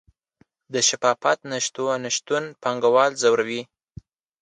د شفافیت نشتون پانګوال ځوروي؟